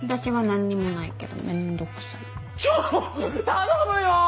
頼むよ！